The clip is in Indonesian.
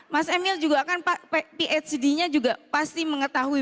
mas emil juga kan phd nya juga pasti mengetahui